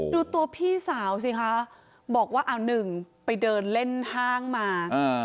ดูตัวพี่สาวสิค่ะบอกว่า๑ไปเดินเล่นท่างมา